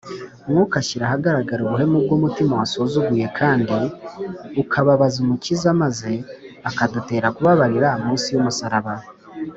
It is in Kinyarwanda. mwuka ashyira ahagaragara ubuhemu bw’umutima wasuzuguye kandi ukababaza umukiza, maze akadutera kubabarira munsi y’umusaraba